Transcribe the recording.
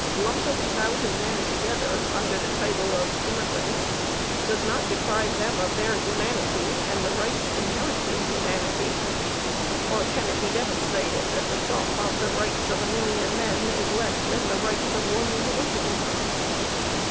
Lumping a thousand men together under the title of immigrants does not deprive them of their humanity and the rights inherent in humanity; or can it be demonstrated that the sum of the rights of a million men is less than the rights of one individual?